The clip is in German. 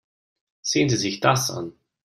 Sehen Sie sich das an.